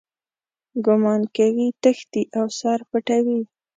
ګومان کوي تښتي او سر پټوي.